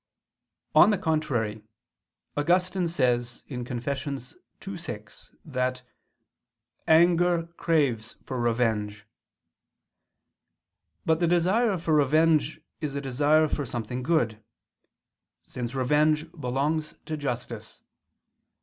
On the contrary, Augustine says (Confess. ii, 6) that "anger craves for revenge." But the desire for revenge is a desire for something good: since revenge belongs to justice.